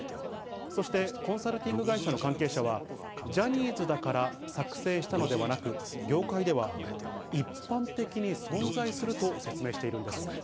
そして、コンサルティング会社の関係者は、ジャニーズだから作成したのではなく、業界では一般的に存在すると説明しているんです。